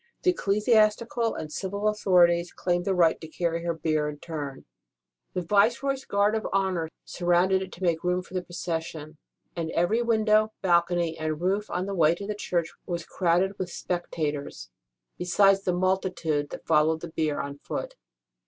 The ecclesiastical and civil authorities claimed the right to carry her bier in turn ; the Viceroy s guard of honour surrounded it to make room for the procession ; and every window, balcony, and roof on the way to the church was crowded with spectators, besides the multitude that followed the bier on foot.